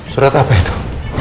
surat apa itu